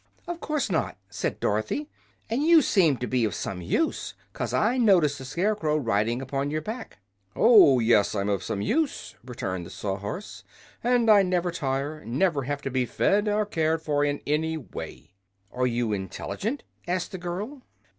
"Of course not," said Dorothy. "And you seem to be of some use, 'cause I noticed the Scarecrow riding upon your back." "Oh, yes; I'm of use," returned the Sawhorse; "and I never tire, never have to be fed, or cared for in any way." "Are you intel'gent?" asked the girl.